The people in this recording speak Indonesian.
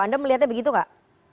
anda melihatnya begitu gak